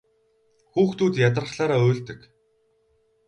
Хүүхдүүд ядрахлаараа уйлдаг.